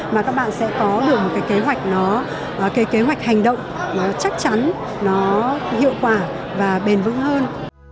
mà các bạn sẽ có được một cái kế hoạch hành động chắc chắn hiệu quả và bền vững hơn